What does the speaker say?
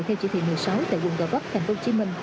theo chỉ thị một mươi sáu tại quận gò vấp thành phố hồ chí minh